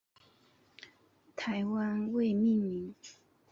台湾未命名。